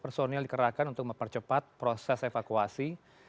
kota bogor mencari sebelas orang yang sudah diangkat untuk mempercepat proses evakuasi